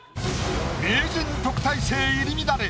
名人特待生入り乱れ